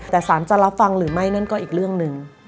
แต่สารจะรับฟังหรือไม่นั่นก็อีกเรื่องหนึ่ง